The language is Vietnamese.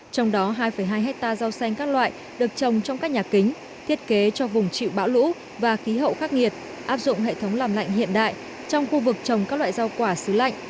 trong đó hai hai hectare rau xanh các loại được trồng trong các nhà kính thiết kế cho vùng chịu bão lũ và khí hậu khắc nghiệt áp dụng hệ thống làm lạnh hiện đại trong khu vực trồng các loại rau quả xứ lạnh